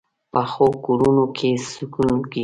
پخو کورونو کې سکون وي